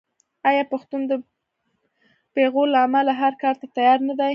آیا پښتون د پېغور له امله هر کار ته تیار نه دی؟